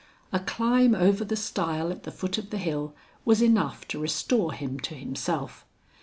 A climb over the stile at the foot of the hill was enough to restore him to himself.